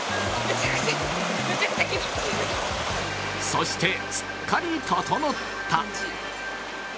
そして、すっかり整った。